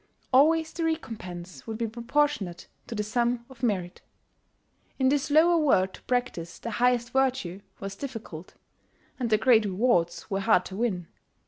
Always the recompense would be proportionate to the sum of merit. In this lower world to practise the highest virtue was difficult; and the great rewards were hard to win.